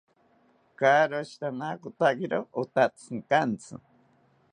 Karoshi ranakotakiro otatzinkantzi